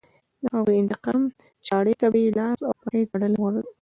د هغوی د انتقام چاړې ته به یې لاس او پښې تړلې غځاوه.